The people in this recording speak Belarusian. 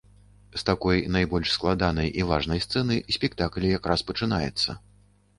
З такой найбольш складанай і важнай сцэны спектакль якраз пачынаецца.